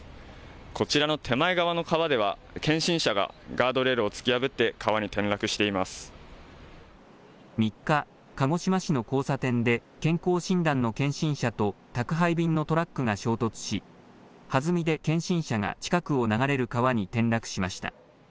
こちらの手前側の川では検診車がガードレールを突き破って、川に３日、鹿児島市の交差点で、健康診断の検診車と宅配便のトラックが衝突し、はずみで検診車が近くを流れる川に転落しました。